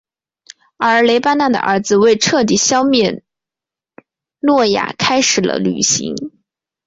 而雷班纳的儿子为彻底消灭诺亚开始了旅行。